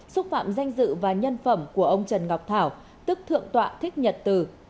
xúc phạm danh dự và nhân phẩm của ông trần ngọc thảo tức thượng tọa thích nhật từ